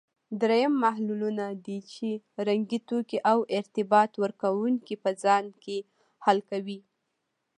دریم محللونه دي چې رنګي توکي او ارتباط ورکوونکي په ځان کې حل کوي.